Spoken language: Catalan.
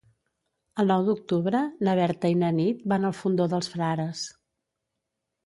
El nou d'octubre na Berta i na Nit van al Fondó dels Frares.